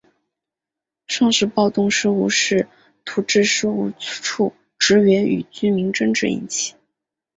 双十暴动事件是徙置事务处职员与居民争执引起。